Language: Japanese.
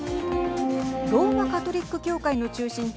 ローマ、カトリック教会の中心地